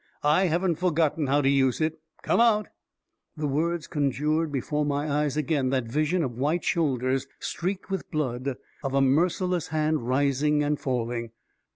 I haven't forgotten how to use it 1 Come out !" The words conjured before my eyes again that vision of white shoulders streaked with blood, of a merciless hand rising and falling